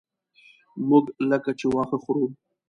موږ لکه چې واښه خورو.